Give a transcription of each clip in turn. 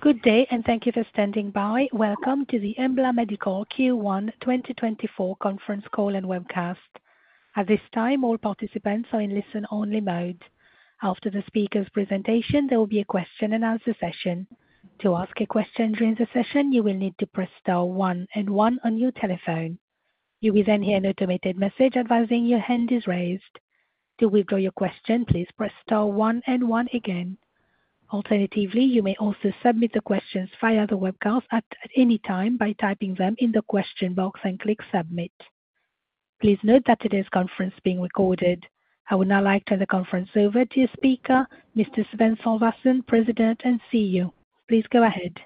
Good day and thank you for standing by. Welcome to the Embla Medical Q1 2024 conference call and webcast. At this time, all participants are in listen-only mode. After the speaker's presentation, there will be a question-and-answer session. To ask a question during the session, you will need to press star one and one on your telephone. You will then hear an automated message advising your hand is raised. To withdraw your question, please press star one and one again. Alternatively, you may also submit the questions via the webcast at any time by typing them in the question box and clicking submit. Please note that today's conference is being recorded. I would now like to turn the conference over to your speaker, Mr. Sveinn Sölvason, President and CEO. Please go ahead.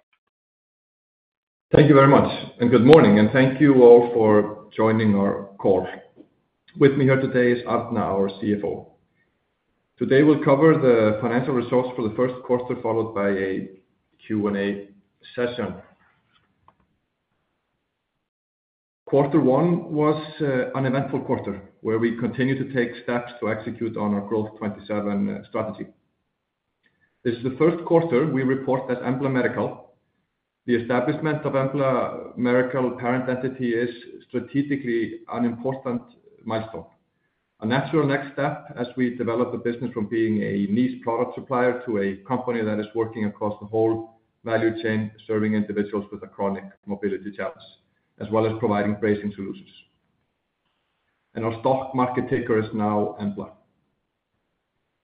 Thank you very much, and good morning, and thank you all for joining our call. With me here today is Arna, our CFO. Today we'll cover the financial results for the first quarter, followed by a Q&A session. Quarter one was an eventful quarter where we continued to take steps to execute on our Growth 27 strategy. This is the first quarter we report as Embla Medical. The establishment of Embla Medical parent entity is strategically an important milestone, a natural next step as we develop the business from being a niche product supplier to a company that is working across the whole value chain, serving individuals with chronic mobility challenges, as well as providing bracing solutions. Our stock market ticker is now Embla.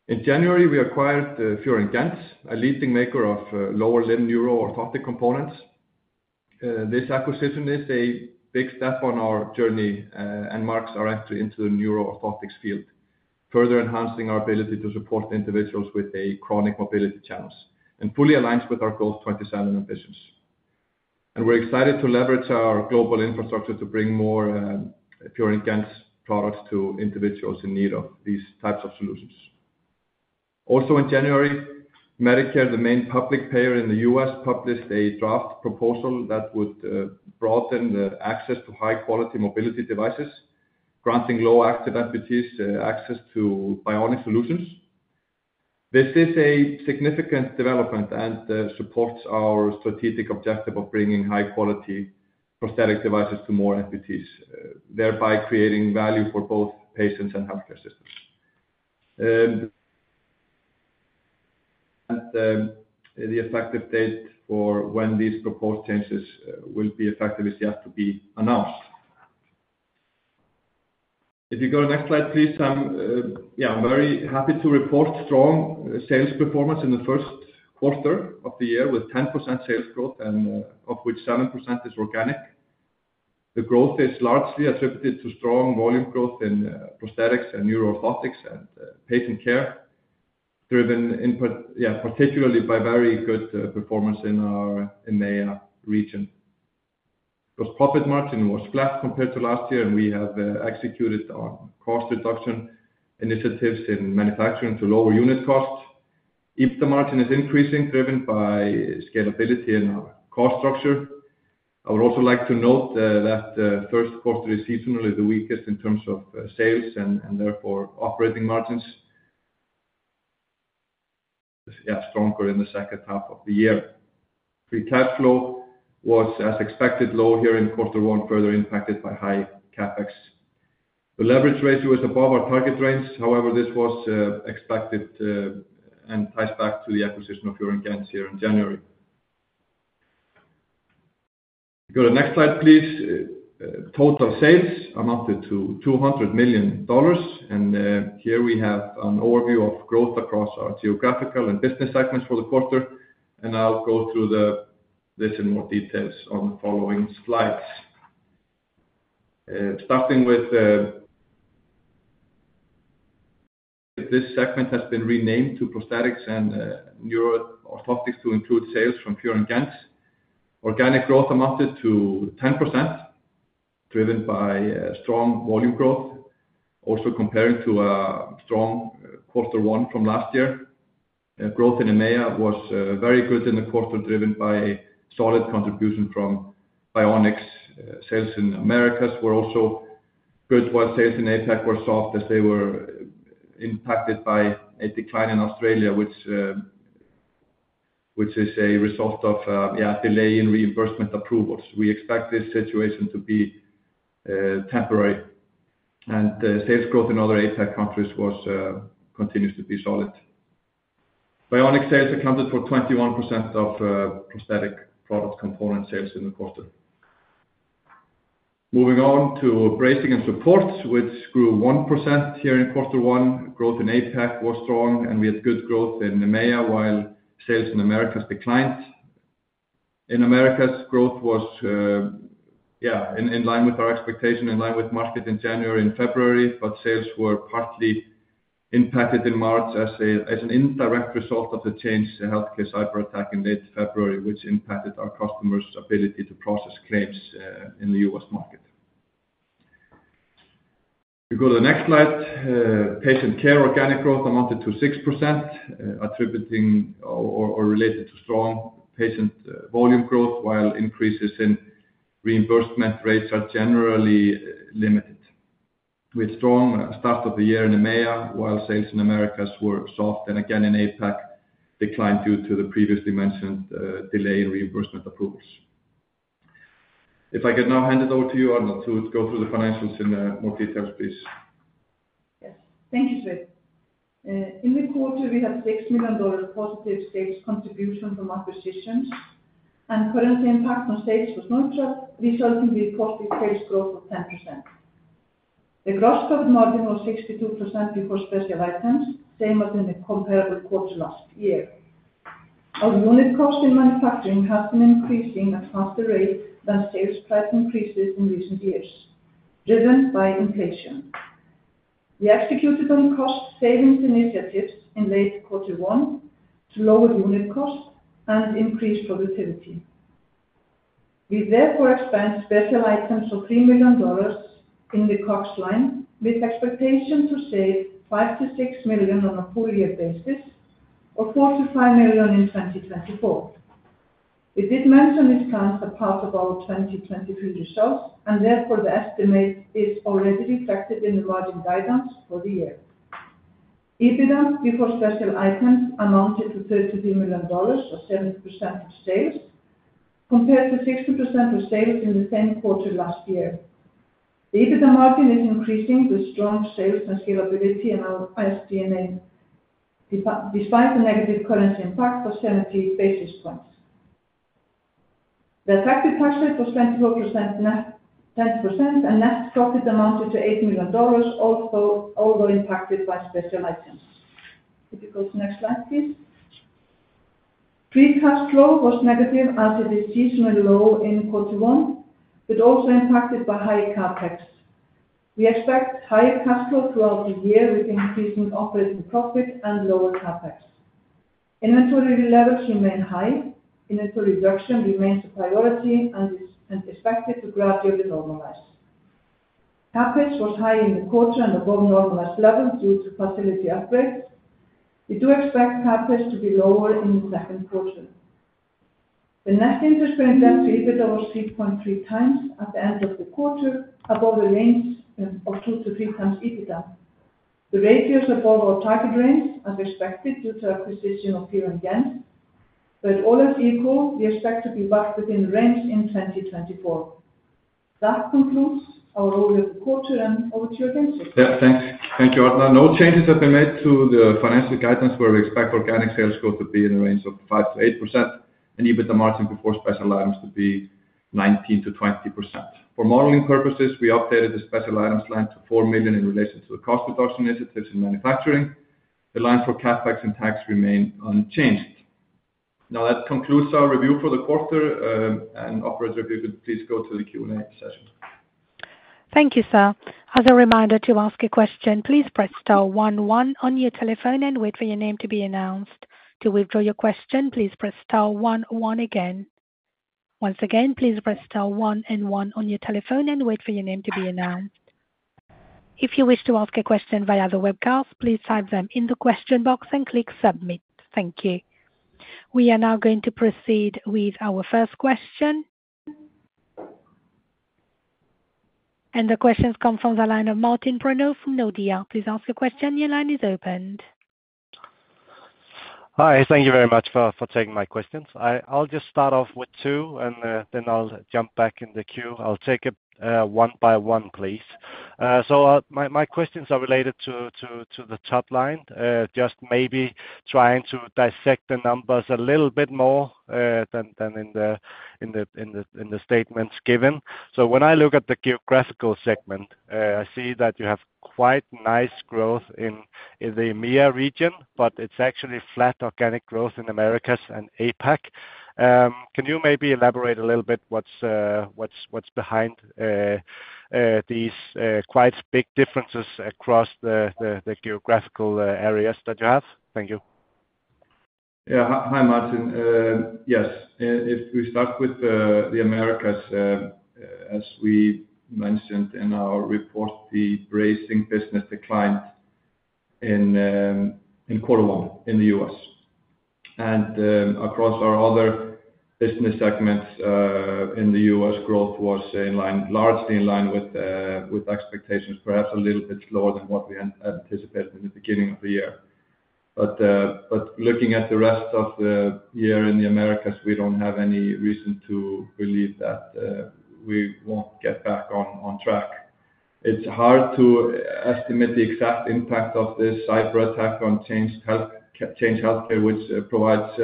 In January, we acquired FIOR & GENTZ, a leading maker of lower limb neuroorthotic components. This acquisition is a big step on our journey and marks our entry into the neuroorthotics field, further enhancing our ability to support individuals with chronic mobility challenges and fully aligns with our Growth 27 ambitions. And we're excited to leverage our global infrastructure to bring more FIOR & GENTZ products to individuals in need of these types of solutions. Also, in January, Medicare, the main public payer in the U.S., published a draft proposal that would broaden access to high-quality mobility devices, granting low-active amputees access to bionic solutions. This is a significant development and supports our strategic objective of bringing high-quality prosthetic devices to more amputees, thereby creating value for both patients and healthcare systems. And the effective date for when these proposed changes will be effective is yet to be announced. If you go to the next slide, please. Yeah, I'm very happy to report strong sales performance in the first quarter of the year, with 10% sales growth, of which 7% is organic. The growth is largely attributed to strong volume growth in prosthetics and neuroorthotics and patient care, driven particularly by very good performance in our EMEA region. Gross profit margin was flat compared to last year, and we have executed on cost reduction initiatives in manufacturing to lower unit costs. EBITDA margin is increasing, driven by scalability in our cost structure. I would also like to note that the first quarter is seasonally the weakest in terms of sales and therefore operating margins, yeah, stronger in the second half of the year. Free cash flow was, as expected, low here in quarter one, further impacted by high CapEx. The leverage ratio is above our target range. However, this was expected and ties back to the acquisition of FIOR & GENTZ here in January. Go to the next slide, please. Total sales amounted to $200 million. Here we have an overview of growth across our geographical and business segments for the quarter. I'll go through this in more details on the following slides. Starting with this segment has been renamed to Prosthetics and Neuroorthotics to include sales from FIOR & GENTZ. Organic growth amounted to 10%, driven by strong volume growth, also comparing to strong quarter one from last year. Growth in EMEA was very good in the quarter, driven by solid contribution from Bionics. Sales in Americas were also good, while sales in APAC were soft as they were impacted by a decline in Australia, which is a result of, yeah, delay in reimbursement approvals. We expect this situation to be temporary. Sales growth in other APAC countries continues to be solid. Bionics sales accounted for 21% of Prosthetics product component sales in the quarter. Moving on to Bracing and Supports, which grew 1% here in quarter one. Growth in APAC was strong, and we had good growth in EMEA while sales in Americas declined. In Americas, growth was, yeah, in line with our expectation, in line with market in January, in February, but sales were partly impacted in March as an indirect result of the Change Healthcare cyberattack in late February, which impacted our customers' ability to process claims in the US market. If you go to the next slide, Patient Care organic growth amounted to 6%, attributing or related to strong patient volume growth, while increases in reimbursement rates are generally limited. We had a strong start of the year in EMEA, while sales in Americas were soft and, again, in APAC, declined due to the previously mentioned delay in reimbursement approvals. If I could now hand it over to you, Arna, to go through the financials in more details, please. Yes. Thank you, Sveinn. In the quarter, we had $6 million positive sales contribution from acquisitions, and currency impact on sales was neutral, resulting in positive sales growth of 10%. The gross profit margin was 62% before special items, same as in the comparable quarter last year. Our unit cost in manufacturing has been increasing at faster rates than sales price increases in recent years, driven by inflation. We executed on cost savings initiatives in late quarter one to lower unit cost and increase productivity. We therefore expanded special items for $3 million in the COGS line with expectation to save $5 million-$6 million on a full-year basis, or $4 million-$5 million in 2024. We did mention discounts are part of our 2023 results, and therefore the estimate is already reflected in the margin guidance for the year. EBITDA before special items amounted to $33 million, or 70% of sales, compared to 60% of sales in the same quarter last year. The EBITDA margin is increasing with strong sales and scalability in our SG&A, despite the negative currency impact of 70 basis points. The effective tax rate was 24% Net, 10%, and Net profit amounted to $8 million, although impacted by special items. If you go to the next slide, please. Free cash flow was negative as it is seasonally low in quarter one, but also impacted by high CapEx. We expect higher cash flow throughout the year with increasing operating profit and lower CapEx. Inventory levels remain high. Inventory reduction remains a priority and is expected to gradually normalize. CapEx was high in the quarter and above normalized levels due to facility upgrades. We do expect CapEx to be lower in the second quarter. The net debt to EBITDA was 3.3x at the end of the quarter, above the range of 2-3x EBITDA. The ratios are above our target range, as expected, due to acquisition of FIOR & GENTZ, but all else equal, we expect to be back within the range in 2024. That concludes our overview of the quarter and over to you, Sveinn. Yeah, thanks. Thank you, Arna. No changes have been made to the financial guidance where we expect organic sales growth to be in the range of 5%-8% and EBITDA margin before special items to be 19%-20%. For modeling purposes, we updated the special items line to $4 million in relation to the cost reduction initiatives in manufacturing. The line for CapEx and tax remained unchanged. Now, that concludes our review for the quarter. Operator, if you could please go to the Q&A session. Thank you, Sir. As a reminder, to ask a question, please press star one one on your telephone and wait for your name to be announced. To withdraw your question, please press star one one again. Once again, please press star 1 and 1 on your telephone and wait for your name to be announced. If you wish to ask a question via the webcast, please type them in the question box and click submit. Thank you. We are now going to proceed with our first question. The questions come from the line of Martin Brenøe from Nordea. Please ask your question. Your line is open. Hi. Thank you very much for taking my questions. I'll just start off with two, and then I'll jump back in the queue. I'll take it one by one, please. My questions are related to the top line, just maybe trying to dissect the numbers a little bit more than in the statements given. When I look at the geographical segment, I see that you have quite nice growth in the EMEA region, but it's actually flat organic growth in Americas and APAC. Can you maybe elaborate a little bit what's behind these quite big differences across the geographical areas that you have? Thank you. Yeah. Hi, Martin. Yes. If we start with the Americas, as we mentioned in our report, the bracing business declined in quarter one in the U.S. And across our other business segments in the U.S., growth was largely in line with expectations, perhaps a little bit slower than what we anticipated in the beginning of the year. But looking at the rest of the year in the Americas, we don't have any reason to believe that we won't get back on track. It's hard to estimate the exact impact of this cyberattack on Change Healthcare, which provides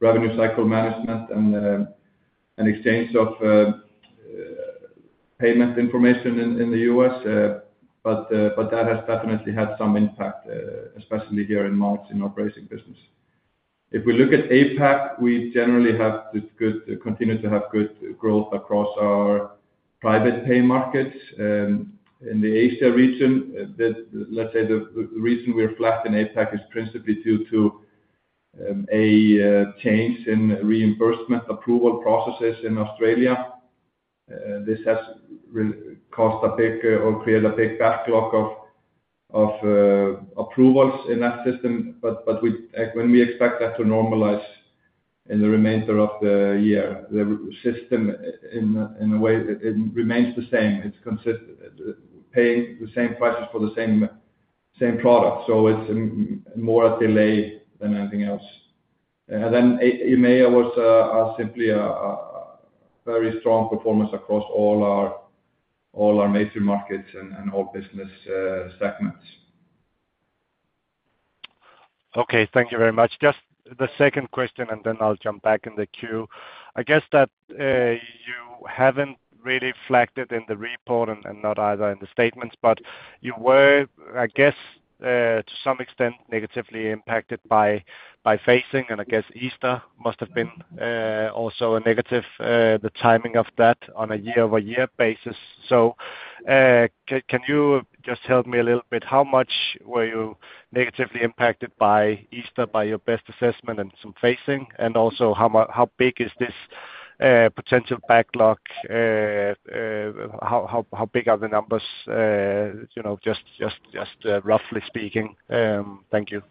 revenue cycle management and exchange of payment information in the U.S. But that has definitely had some impact, especially here in March in our bracing business. If we look at APAC, we generally have to continue to have good growth across our private pay markets. In the Asia region, let's say the reason we are flat in APAC is principally due to a change in reimbursement approval processes in Australia. This has caused a big or created a big backlog of approvals in that system. But when we expect that to normalize in the remainder of the year, the system, in a way, remains the same. It's paying the same prices for the same product. So it's more a delay than anything else. And then EMEA was simply a very strong performance across all our major markets and all business segments. Okay. Thank you very much. Just the second question, and then I'll jump back in the queue. I guess that you haven't really flagged it in the report and not either in the statements, but you were, I guess, to some extent, negatively impacted by facing. And I guess Easter must have been also a negative, the timing of that, on a year-over-year basis. So can you just help me a little bit? How much were you negatively impacted by Easter, by your best assessment and some facing? And also, how big is this potential backlog? How big are the numbers, just roughly speaking? Thank you.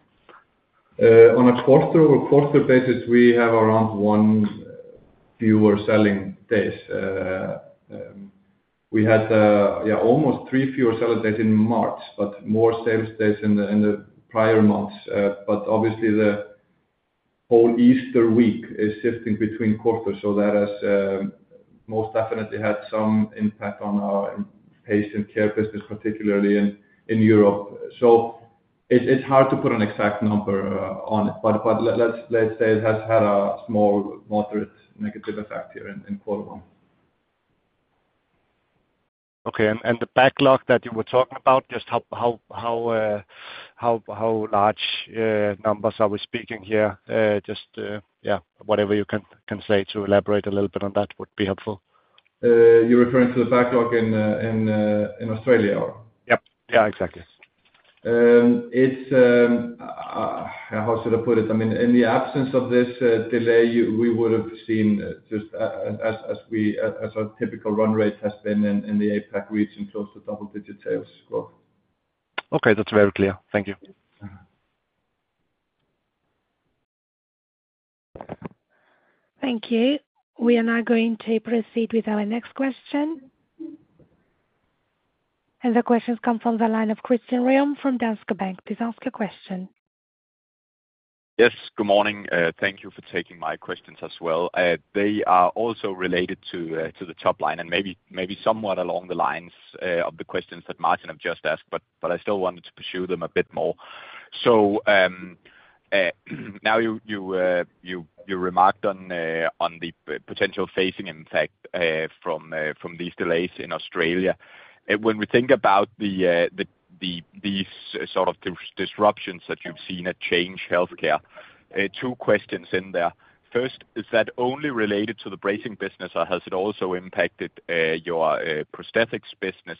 On a quarter-over-quarter basis, we have around 1 fewer selling days. We had, yeah, almost 3 fewer selling days in March, but more sales days in the prior months. But obviously, the whole Easter week is shifting between quarters, so that has most definitely had some impact on our patient care business, particularly in Europe. So it's hard to put an exact number on it. But let's say it has had a small, moderate negative effect here in quarter one. Okay. And the backlog that you were talking about, just how large numbers are we speaking here? Just, yeah, whatever you can say to elaborate a little bit on that would be helpful. You're referring to the backlog in Australia or? Yep. Yeah, exactly. How should I put it? I mean, in the absence of this delay, we would have seen just as our typical run rate has been in the APAC region, close to double-digit sales growth. Okay. That's very clear. Thank you. Thank you. We are now going to proceed with our next question. The questions come from the line of Christian Ryom from Danske Bank. Please ask your question. Yes. Good morning. Thank you for taking my questions as well. They are also related to the top line and maybe somewhat along the lines of the questions that Martin have just asked, but I still wanted to pursue them a bit more. So now you remarked on the potential facing impact from these delays in Australia. When we think about these sort of disruptions that you've seen at Change Healthcare, two questions in there. First, is that only related to the bracing business, or has it also impacted your prosthetics business?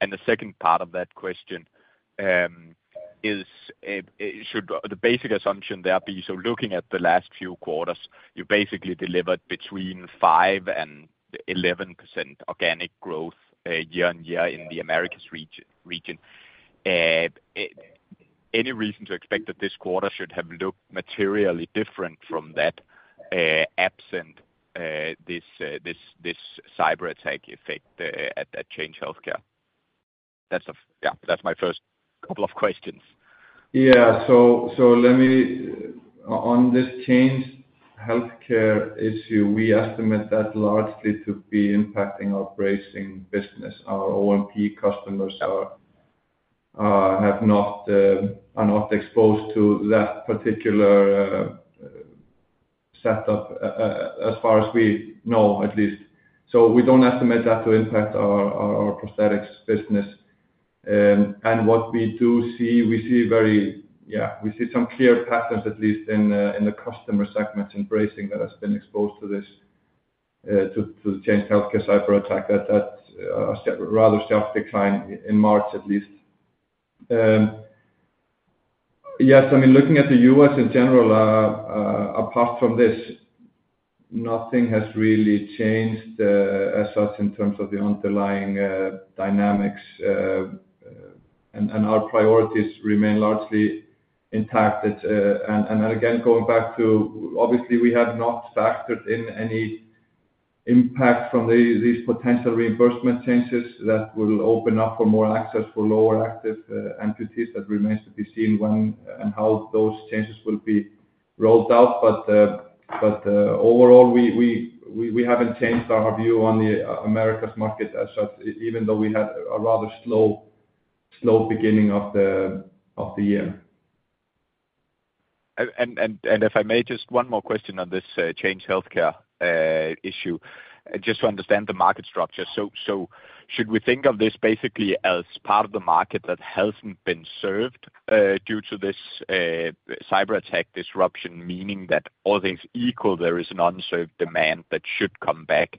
And the second part of that question is, should the basic assumption there be so looking at the last few quarters, you basically delivered between 5%-11% organic growth year-on-year in the Americas region. Any reason to expect that this quarter should have looked materially different from that absent this cyberattack effect at Change Healthcare? Yeah, that's my first couple of questions. Yeah. So on this Change Healthcare issue, we estimate that largely to be impacting our bracing business. Our O&P customers are not exposed to that particular setup as far as we know, at least. So we don't estimate that to impact our prosthetics business. And what we do see, we see some clear patterns, at least in the customer segments in bracing that have been exposed to this, to the Change Healthcare cyberattack, that rather sharp decline in March, at least. Yes. I mean, looking at the U.S. in general, apart from this, nothing has really changed as such in terms of the underlying dynamics. And our priorities remain largely intact. And again, going back to obviously, we have not factored in any impact from these potential reimbursement changes that will open up for more access for lower active amputees. That remains to be seen when and how those changes will be rolled out. But overall, we haven't changed our view on the Americas market as such, even though we had a rather slow beginning of the year. And if I may, just one more question on this Change Healthcare issue. Just to understand the market structure, so should we think of this basically as part of the market that hasn't been served due to this cyberattack disruption, meaning that all things equal, there is an unserved demand that should come back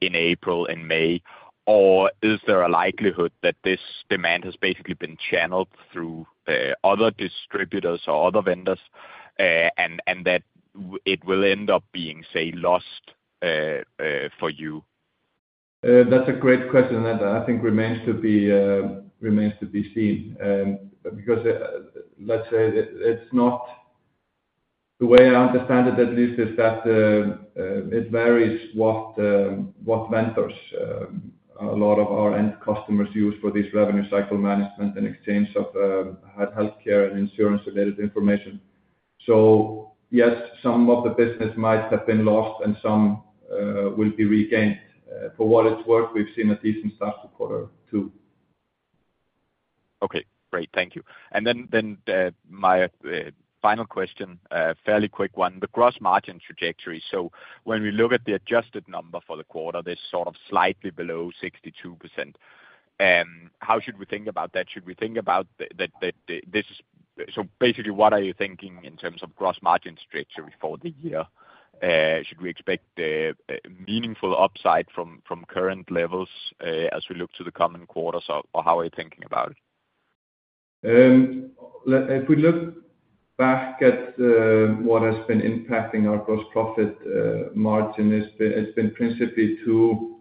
in April and May? Or is there a likelihood that this demand has basically been channeled through other distributors or other vendors and that it will end up being, say, lost for you? That's a great question, and I think remains to be seen. Because let's say it's not the way I understand it, at least, is that it varies what vendors a lot of our end customers use for this revenue cycle management and exchange of healthcare and insurance-related information. So yes, some of the business might have been lost, and some will be regained. For what it's worth, we've seen a decent start to quarter two. Okay. Great. Thank you. And then my final question, fairly quick one, the gross margin trajectory. So when we look at the adjusted number for the quarter, this is sort of slightly below 62%. How should we think about that? Should we think about that this is so basically, what are you thinking in terms of gross margin trajectory for the year? Should we expect meaningful upside from current levels as we look to the coming quarters, or how are you thinking about it? If we look back at what has been impacting our gross profit margin, it's been principally two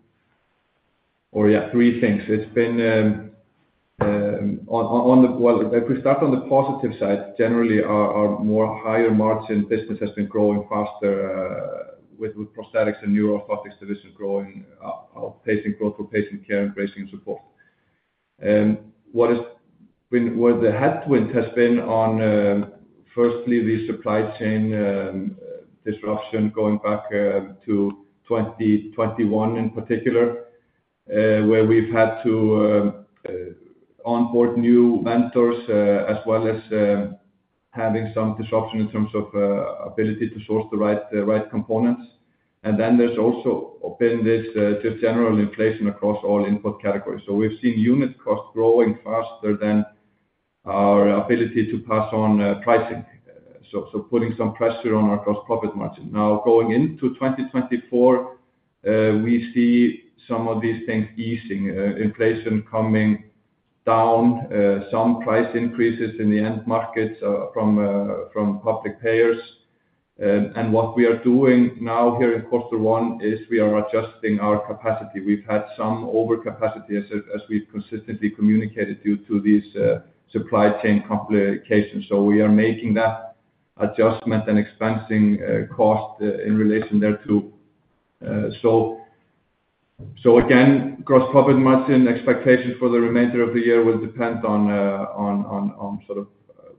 or, yeah, three things. It's been, well, if we start on the positive side, generally, our higher margin business has been growing faster with prosthetics and neuro-orthotics division growing, patient growth for patient care and bracing and support. Where the headwind has been on, firstly, the supply chain disruption going back to 2021 in particular, where we've had to onboard new vendors as well as having some disruption in terms of ability to source the right components. And then there's also been this just general inflation across all input categories. So we've seen unit cost growing faster than our ability to pass on pricing, so putting some pressure on our gross profit margin. Now, going into 2024, we see some of these things easing, inflation coming down, some price increases in the end markets from public payers. What we are doing now here in quarter one is we are adjusting our capacity. We've had some overcapacity, as we've consistently communicated, due to these supply chain complications. We are making that adjustment and expensing cost in relation there too. Again, gross profit margin expectations for the remainder of the year will depend on sort of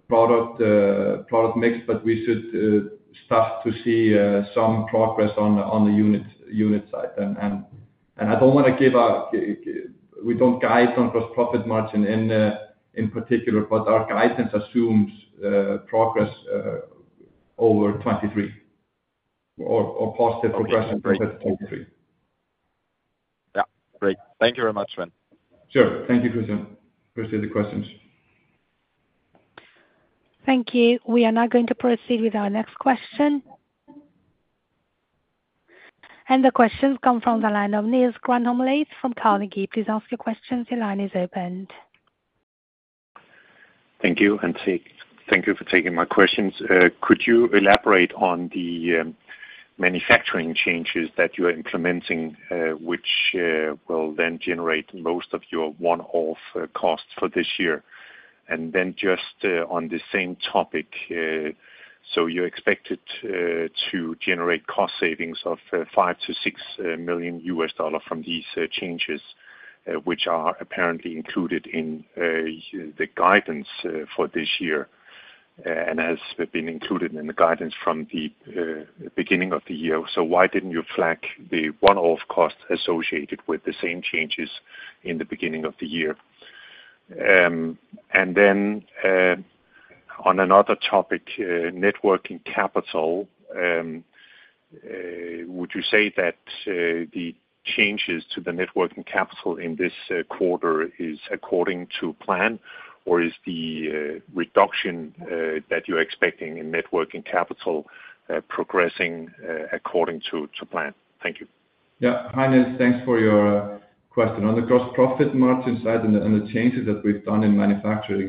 product mix, but we should start to see some progress on the unit side. I don't want to give a we don't guide on gross profit margin in particular, but our guidance assumes progress over 2023 or positive progression compared to 2023. Yeah. Great. Thank you very much, Sveinn. Sure. Thank you, Christian. Appreciate the questions. Thank you. We are now going to proceed with our next question. The questions come from the line of Niels Granholm-Leth from Carnegie. Please ask your questions. Your line is opened. Thank you, NC. Thank you for taking my questions. Could you elaborate on the manufacturing changes that you are implementing, which will then generate most of your one-off costs for this year? And then just on the same topic, so you're expected to generate cost savings of $5 million-$6 million from these changes, which are apparently included in the guidance for this year and has been included in the guidance from the beginning of the year. So why didn't you flag the one-off costs associated with the same changes in the beginning of the year? And then on another topic, working capital, would you say that the changes to the working capital in this quarter is according to plan, or is the reduction that you're expecting in working capital progressing according to plan? Thank you. Yeah. Hi, Niels. Thanks for your question. On the gross profit margin side and the changes that we've done in manufacturing,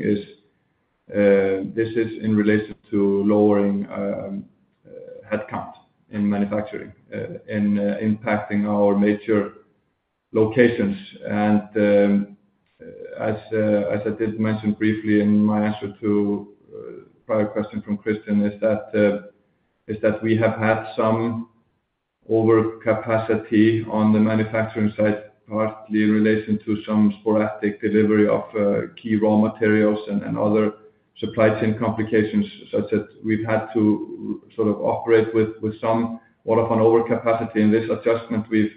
this is in relation to lowering headcount in manufacturing and impacting our major locations. And as I did mention briefly in my answer to prior question from Christian, is that we have had some overcapacity on the manufacturing side, partly in relation to some sporadic delivery of key raw materials and other supply chain complications. Such that we've had to sort of operate with some sort of an overcapacity. And this adjustment we've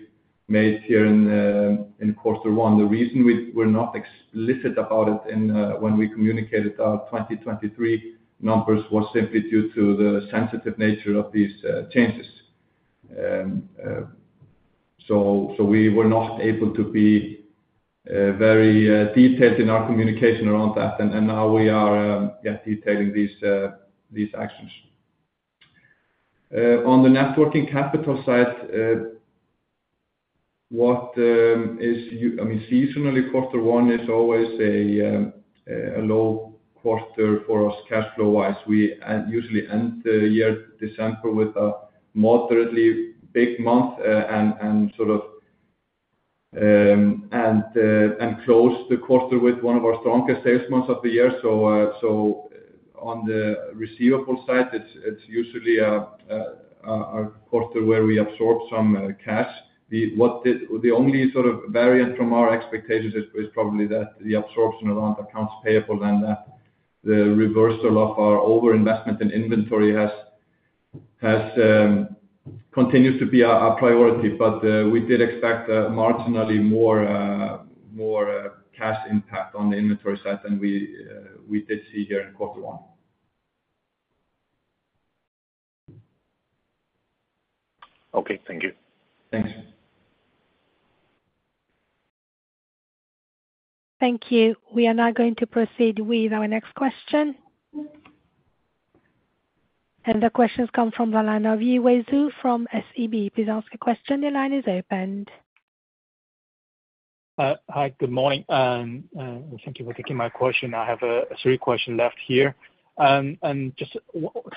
made here in quarter one, the reason we're not explicit about it when we communicated our 2023 numbers was simply due to the sensitive nature of these changes. So we were not able to be very detailed in our communication around that. And now we are, yeah, detailing these actions. On the net working capital side, what I mean, seasonally, quarter one is always a low quarter for us cash flow-wise. We usually end the year, December, with a moderately big month and sort of and close the quarter with one of our strongest sales months of the year. So on the receivable side, it's usually a quarter where we absorb some cash. The only sort of variant from our expectations is probably that the absorption around accounts payable and that the reversal of our overinvestment in inventory continues to be our priority. But we did expect marginally more cash impact on the inventory side than we did see here in quarter one. Okay. Thank you. Thanks. Thank you. We are now going to proceed with our next question. The questions come from the line of Yiwei Zhou from SEB. Please ask your question. Your line is opened. Hi. Good morning. Thank you for taking my question. I have a three-question left here.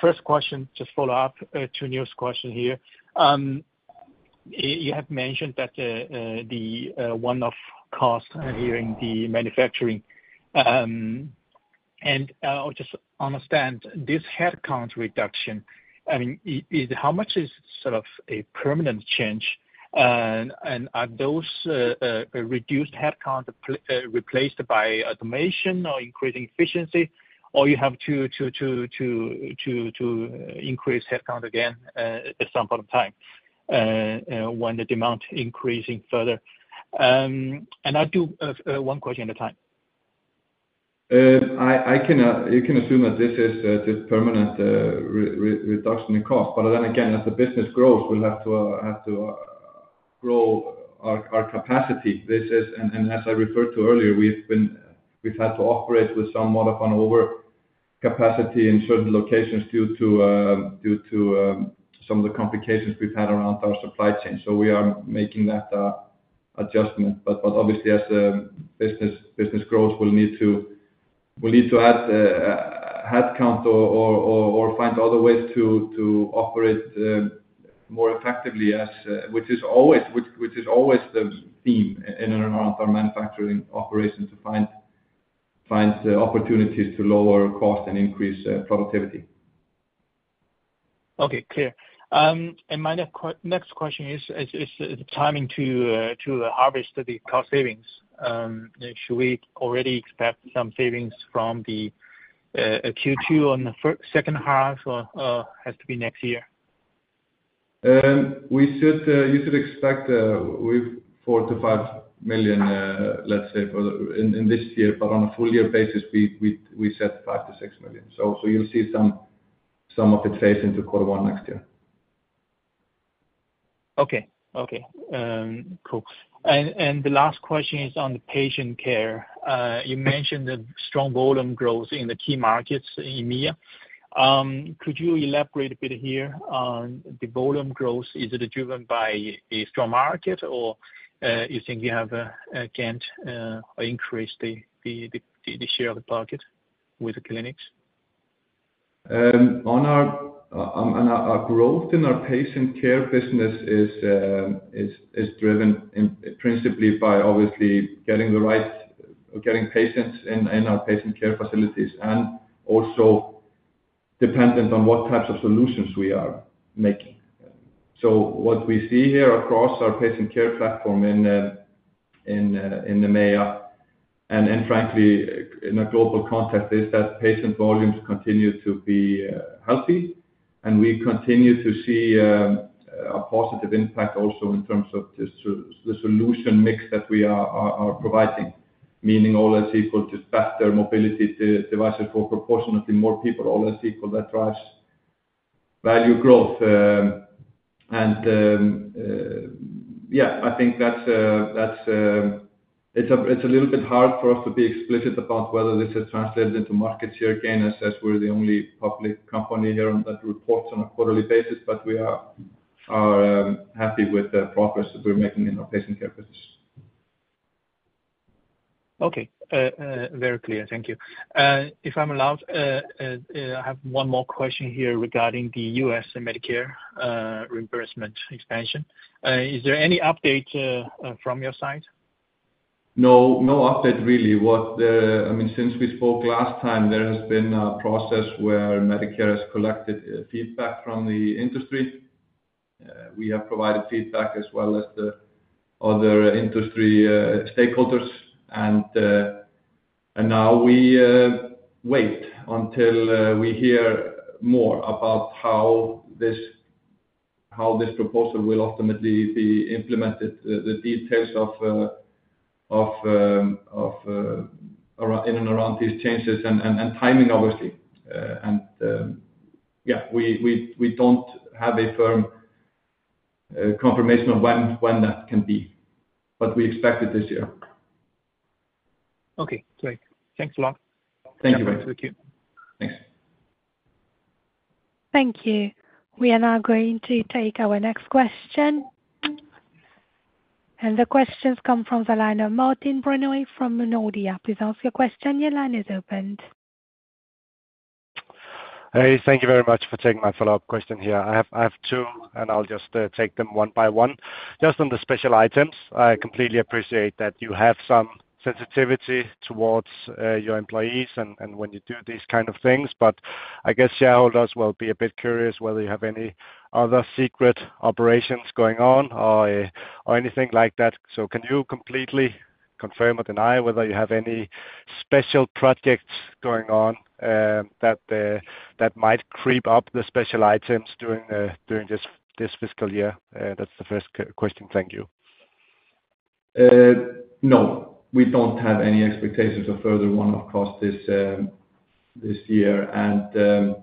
First question, just follow up to Nils' question here. You have mentioned that the one-off cost here in the manufacturing. I just understand this headcount reduction, I mean, how much is sort of a permanent change? Are those reduced headcounts replaced by automation or increasing efficiency, or you have to increase headcount again at some point in time when the demand is increasing further? I'll do one question at a time. You can assume that this is just permanent reduction in cost. But then again, as the business grows, we'll have to grow our capacity. And as I referred to earlier, we've had to operate with some sort of an overcapacity in certain locations due to some of the complications we've had around our supply chain. So we are making that adjustment. But obviously, as business grows, we'll need to add headcount or find other ways to operate more effectively, which is always the theme in and around our manufacturing operation, to find opportunities to lower cost and increase productivity. Okay. Clear. My next question is, is the timing to harvest the cost savings? Should we already expect some savings from the Q2 on the second half, or has to be next year? You should expect $4 million-$5 million, let's say, in this year. But on a full-year basis, we set $5 million-6 million. So you'll see some of it phase into quarter one next year. Okay. Okay. Cool. The last question is on the Patient Care. You mentioned the strong volume growth in the key markets in EMEA. Could you elaborate a bit here on the volume growth? Is it driven by a strong market, or do you think you have gained or increased the share of the market with the clinics? Our growth in our patient care business is driven principally by, obviously, getting the right getting patients in our patient care facilities and also dependent on what types of solutions we are making. So what we see here across our patient care platform in the EMEA and, frankly, in a global context, is that patient volumes continue to be healthy. And we continue to see a positive impact also in terms of the solution mix that we are providing, meaning all is equal to better mobility devices for proportionately more people. All is equal. That drives value growth. And yeah, I think that's it's a little bit hard for us to be explicit about whether this has translated into market share gains, as we're the only public company here that reports on a quarterly basis. But we are happy with the progress that we're making in our patient care business. Okay. Very clear. Thank you. If I'm allowed, I have one more question here regarding the U.S. Medicare reimbursement expansion. Is there any update from your side? No. No update, really. I mean, since we spoke last time, there has been a process where Medicare has collected feedback from the industry. We have provided feedback as well as the other industry stakeholders. And now we wait until we hear more about how this proposal will ultimately be implemented, the details in and around these changes and timing, obviously. And yeah, we don't have a firm confirmation of when that can be, but we expect it this year. Okay. Great. Thanks, Sveinn. Thank you, Yiwei. Thanks. Thank you. We are now going to take our next question. The questions come from the line of Martin Brenøe from Nordea. Please ask your question. Your line is open. Hey. Thank you very much for taking my follow-up question here. I have two, and I'll just take them one by one. Just on the special items, I completely appreciate that you have some sensitivity towards your employees and when you do these kind of things. But I guess shareholders will be a bit curious whether you have any other secret operations going on or anything like that. So can you completely confirm or deny whether you have any special projects going on that might creep up the special items during this fiscal year? That's the first question. Thank you. No. We don't have any expectations of further one-off costs this year. And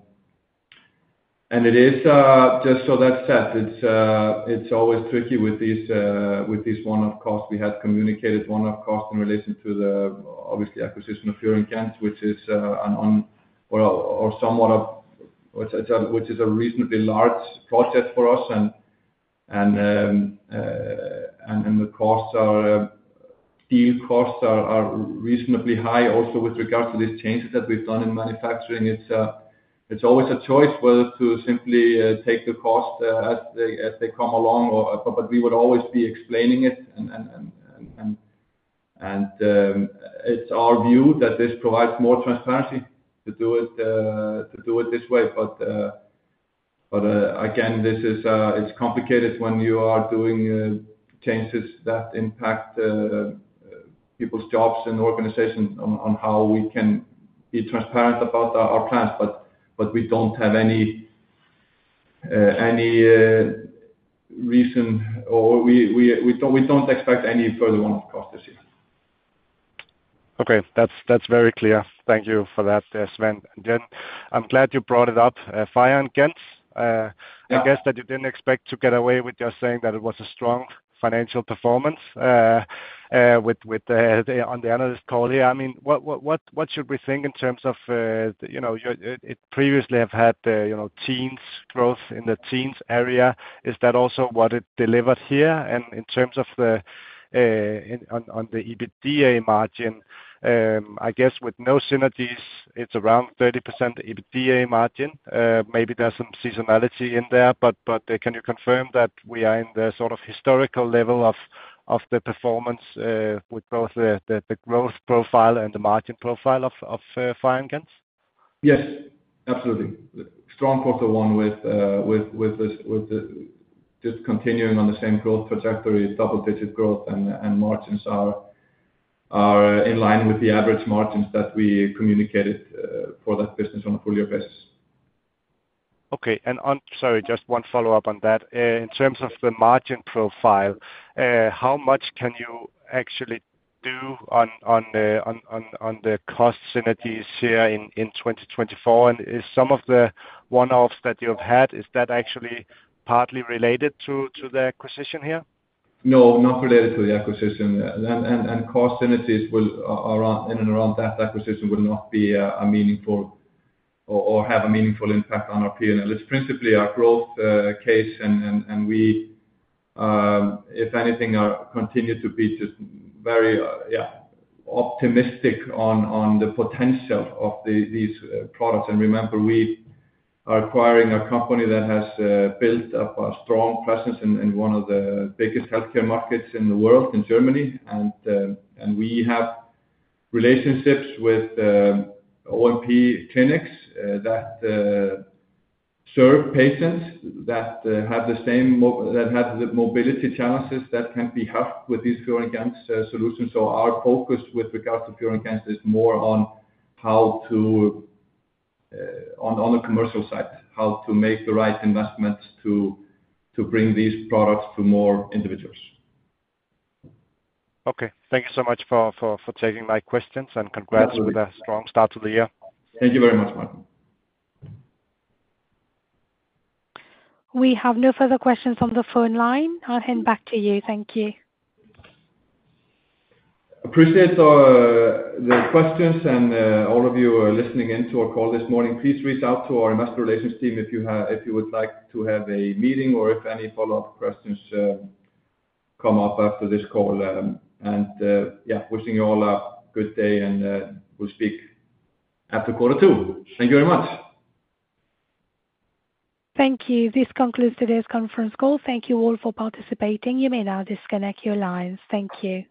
just so that's said, it's always tricky with these one-off costs. We had communicated one-off costs in relation to the, obviously, acquisition of FIOR & GENTZ, which is a neuroorthotics, some of which is a reasonably large project for us. And the deal costs are reasonably high also with regards to these changes that we've done in manufacturing. It's always a choice whether to simply take the cost as they come along, but we would always be explaining it. And it's our view that this provides more transparency to do it this way. But again, it's complicated when you are doing changes that impact people's jobs and organizations, on how we can be transparent about our plans. But we don't have any reason or we don't expect any further one-off costs this year. Okay. That's very clear. Thank you for that, Sveinn. Again, I'm glad you brought it up. FIOR & GENTZ, I guess that you didn't expect to get away with just saying that it was a strong financial performance on the analyst call here. I mean, what should we think in terms of you previously have had teens growth in the teens area. Is that also what it delivered here? And in terms of the EBITDA margin, I guess with no synergies, it's around 30% EBITDA margin. Maybe there's some seasonality in there. But can you confirm that we are in the sort of historical level of the performance with both the growth profile and the margin profile of FIOR & GENTZ? Yes. Absolutely. Strong quarter one with just continuing on the same growth trajectory, double-digit growth, and margins are in line with the average margins that we communicated for that business on a full-year basis. Okay. Sorry, just one follow-up on that. In terms of the margin profile, how much can you actually do on the cost synergies here in 2024? Is some of the one-offs that you have had actually partly related to the acquisition here? No. Not related to the acquisition. Cost synergies in and around that acquisition will not be a meaningful or have a meaningful impact on our P&L. It's principally our growth case. If anything, I continue to be just very, yeah, optimistic on the potential of these products. Remember, we are acquiring a company that has built up a strong presence in one of the biggest healthcare markets in the world, in Germany. We have relationships with O&P clinics that serve patients that have the same mobility challenges that can be helped with these FIOR & GENTZ solutions. Our focus with regards to FIOR & GENTZ is more on the commercial side, how to make the right investments to bring these products to more individuals. Okay. Thank you so much for taking my questions. Congrats with a strong start to the year. Thank you very much, Martin. We have no further questions on the phone line. I'll hand back to you. Thank you. Appreciate the questions and all of you listening into our call this morning. Please reach out to our investor relations team if you would like to have a meeting or if any follow-up questions come up after this call. Yeah, wishing you all a good day. We'll speak after quarter two. Thank you very much. Thank you. This concludes today's conference call. Thank you all for participating. You may now disconnect your lines. Thank you.